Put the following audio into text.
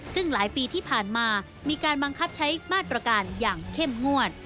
ซึ่งหลายปีที่ผ่านมามีการบังคับใช้มาตรการอย่างเข้มงวด